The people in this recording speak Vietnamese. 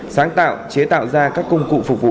sáng tạo chế tạo ra các công cụ phục vụ